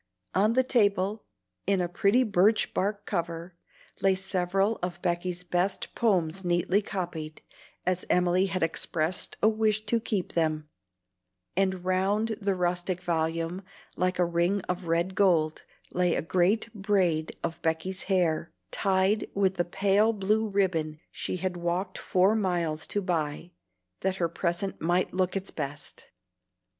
On the table, in a pretty birch bark cover, lay several of Becky's best poems neatly copied, as Emily had expressed a wish to keep them; and round the rustic volume, like a ring of red gold, lay a great braid of Becky's hair, tied with the pale blue ribbon she had walked four miles to buy, that her present might look its best.